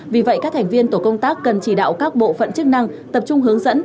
vì vậy các thành viên tổ công tác cần chỉ đạo các bộ phận chức năng tập trung hướng dẫn